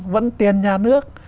vẫn tiền nhà nước